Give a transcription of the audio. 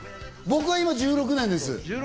僕は今１６年です。